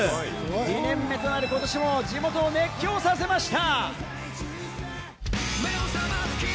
２年目となる、ことしも地元を熱狂させました。